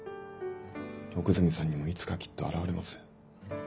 奥泉さんにもいつかきっと現れます。